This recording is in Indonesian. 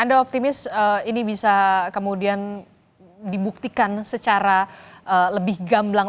anda optimis ini bisa kemudian dibuktikan secara lebih gamblang